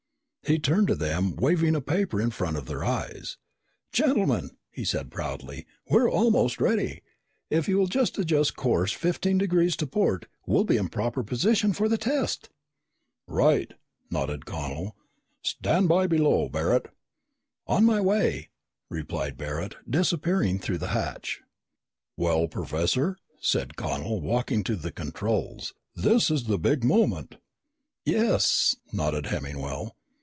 He turned to them, waving a paper in front of their eyes. "Gentlemen," he said proudly, "we are almost ready. If you will adjust course fifteen degrees to port, we'll be in proper position for the test!" "Right," nodded Connel. "Stand by below, Barret." "On my way," replied Barret, disappearing through the hatch. "Well, Professor," said Connel, walking to the controls, "this is the big moment!" "Yes," nodded Hemmingwell.